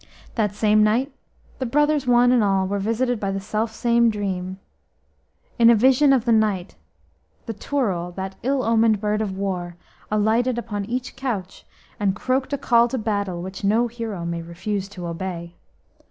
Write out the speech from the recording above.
That same night the brothers one and all were visited by the self same dream. In a vision of the night the Turul, that ill omened bird of war, alighted upon each couch and croaked a call to battle which no hero may refuse to obey.